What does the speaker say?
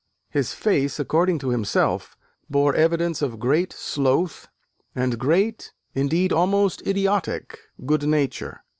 His face, according to himself, bore evidence of "great sloth and great, indeed almost idiotic, good nature